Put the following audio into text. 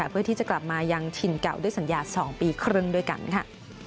เพื่อที่จะกลับมายังถิ่นเก่าด้วยสัญญา๒ปีครึ่งด้วยกันค่ะ